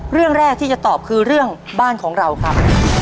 เรื่องแรกที่จะตอบคือเรื่องบ้านของเราครับ